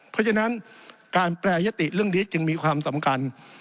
เพราะฉะนั้นการแปรยติเรื่องนี้จึงมีความสำคัญ